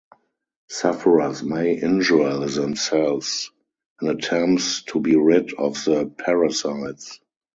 Sufferers may injure themselves in attempts to be rid of the "parasites".